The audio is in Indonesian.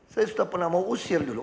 saya sudah pernah mau usir dulu